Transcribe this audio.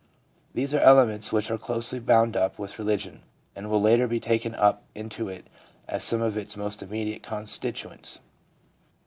These are elements which are closely bound up with religion, and will later be taken up into it as some of its most immediate constituents.